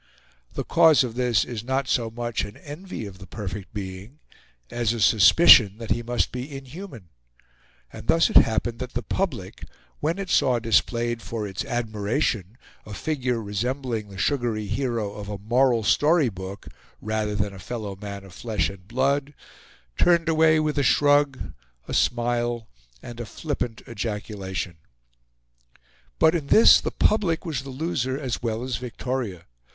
The cause of this is not so much an envy of the perfect being as a suspicion that he must be inhuman; and thus it happened that the public, when it saw displayed for its admiration a figure resembling the sugary hero of a moral story book rather than a fellow man of flesh and blood, turned away with a shrug, a smile, and a flippant ejaculation. But in this the public was the loser as well as Victoria.